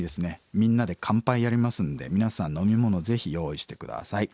「みんなで乾杯」やりますんで皆さん飲み物ぜひ用意して下さい。